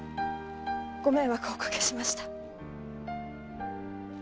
ご迷惑をおかけしました。